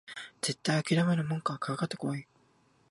絶対あきらめるもんかかかってこい！